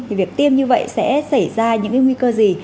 thì việc tiêm như vậy sẽ xảy ra những nguy cơ gì